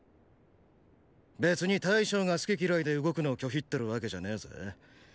別に大将が好き嫌いで動くのを拒否ってるわけじゃねェぜ？